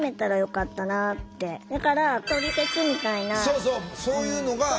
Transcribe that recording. そうそうそういうのが特に。